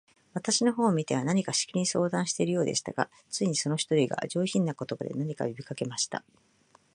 私の方を見ては、何かしきりに相談しているようでしたが、ついに、その一人が、上品な言葉で、何か呼びかけました。